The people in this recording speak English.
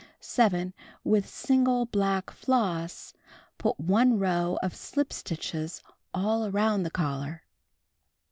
f 7. With single black floss put 1 row of sUp stitches all around the collar.